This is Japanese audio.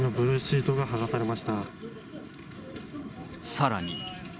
今、さらに。